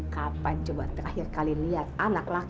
kapan coba terakhir kali lihat anak laki